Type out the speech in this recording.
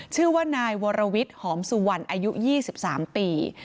ชื่อว่านายวรวิทย์หอมสุวรรณอายุ๒๓ปี